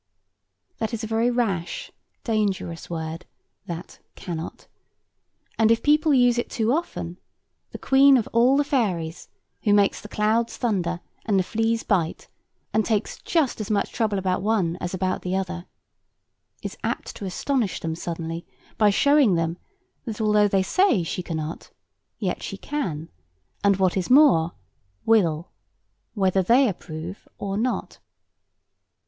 That is a very rash, dangerous word, that "cannot"; and if people use it too often, the Queen of all the Fairies, who makes the clouds thunder and the fleas bite, and takes just as much trouble about one as about the other, is apt to astonish them suddenly by showing them, that though they say she cannot, yet she can, and what is more, will, whether they approve or not.